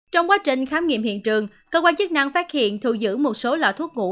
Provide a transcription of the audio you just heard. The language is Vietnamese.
trong quá trình khám nghiệm hiện trường cơ quan chức năng phát hiện thu giữ một số loại thuốc ngủ